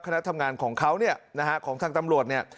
คณะทำงานของเขาเนี่ยนะฮะของทางตำรวจเนี่ย